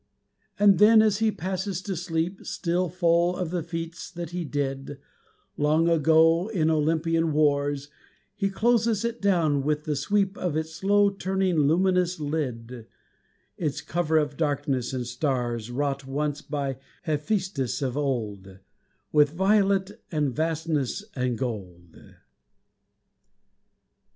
And then, as he passes to sleep, Still full of the feats that he did, Long ago in Olympian wars, He closes it down with the sweep Of its slow turning luminous lid, Its cover of darkness and stars, Wrought once by Hephæstus of old With violet and vastness and gold.